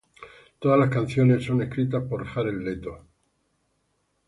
Todas las canciones son escritas por Jared Leto